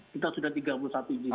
kita sudah tiga puluh satu izin usaha